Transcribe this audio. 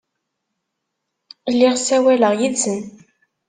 Lliɣ ssawaleɣ yid-sen.